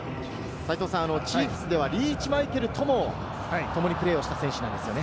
チーフスではリーチ・マイケルとも共にプレーをした選手なんですよね。